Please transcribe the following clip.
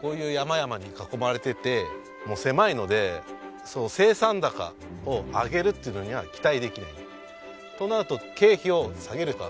こういう山々に囲まれてて狭いので生産高を上げるっていうのには期待できない。